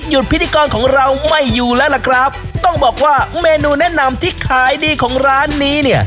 พิธีกรของเราไม่อยู่แล้วล่ะครับต้องบอกว่าเมนูแนะนำที่ขายดีของร้านนี้เนี่ย